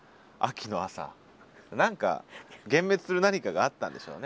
何か幻滅する何かがあったんでしょうね。